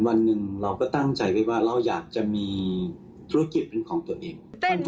วันหนึ่งเราก็ตั้งใจไว้ว่าเราอยากจะมีธุรกิจเป็นของตัวเอง